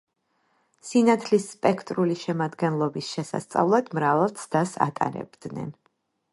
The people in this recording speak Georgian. სინათლის სპექტრული შემადგენლობის შესასწავლად მრავალ ცდას ატარებდნენ.